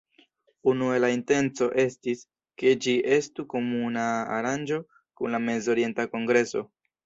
Unue la intenco estis, ke ĝi estu komuna aranĝo kun la Mezorienta Kongreso.